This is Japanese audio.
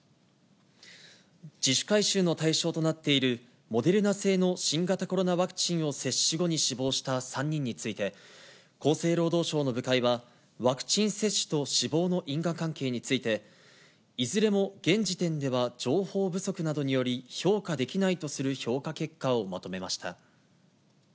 自主回収の対象となっているモデルナ製の新型コロナワクチンを接種後に死亡した３人について、厚生労働省の部会は、ワクチン接種と死亡の因果関係について、いずれも現時点では情報不足などにより、評価できないとする評価結果をまとめました。